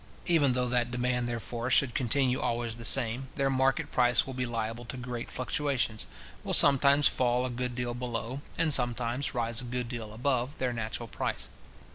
Even though that demand, therefore, should continue always the same, their market price will be liable to great fluctuations, will sometimes fall a good deal below, and sometimes rise a good deal above, their natural price.